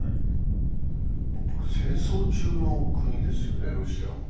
戦争中の国ですよね、ロシアも。